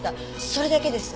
それだけです。